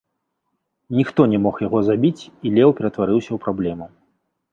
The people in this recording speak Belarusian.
Ніхто не мог яго забіць, і леў ператварыўся ў праблему.